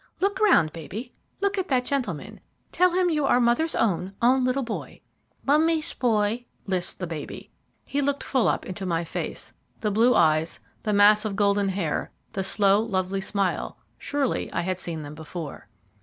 "Look round, baby, look at that gentleman tell him you are mother's own, own little boy." "Mummy's boy," lisped the baby. He looked full up into my face. The blue eyes, the mass of golden hair, the slow, lovely smile surely I had seen them before.